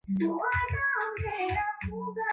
Anasema kuwa Kijiji cha Ngarambi kina vitongoji viwili